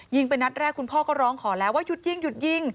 ไปนัดแรกคุณพ่อก็ร้องขอแล้วว่าหยุดยิงหยุดยิง